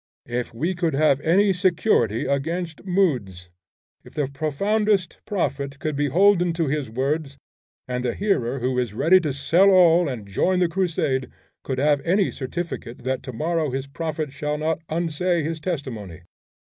If we could have any security against moods! If the profoundest prophet could be holden to his words, and the hearer who is ready to sell all and join the crusade could have any certificate that tomorrow his prophet shall not unsay his testimony!